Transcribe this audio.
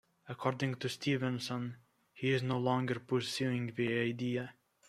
According to Stephenson, he is no longer pursuing the idea.